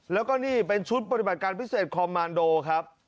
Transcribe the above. แล้วก็นี่เป็นชุดปฏิบัติการพิเศษคอมมานโดครับ